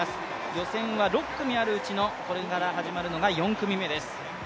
予選は６組あるうちのこれから始まるのが４組目です。